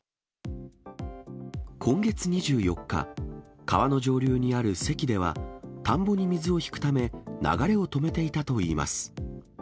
今月２４日、川の上流にあるせきでは、田んぼに水を引くため、流れを止めていたといいます。